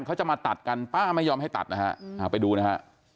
เขาจะมาตัดกันป้าไม่ยอมให้ตัดนะฮะไปดูนะฮะ